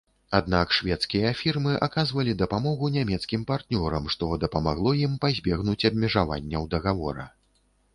Аднак шведскія фірмы аказвалі дапамогу нямецкім партнёрам, што дапамагло ім пазбегнуць абмежаванняў дагавора.